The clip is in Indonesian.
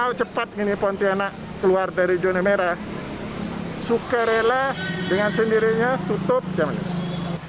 kalau mau cepat gini pontianak keluar dari zona merah suka rela dengan sendirinya tutup jam ini